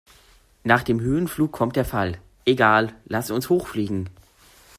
Nach dem Höhenflug kommt der Fall. Egal, lass uns hoch fliegen!